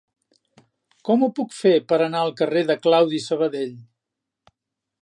Com ho puc fer per anar al carrer de Claudi Sabadell?